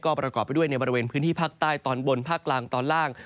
ประกอบไปด้วยในบริเวณพื้นที่ภาคใต้ตอนบนภาคกลางตอนล่าง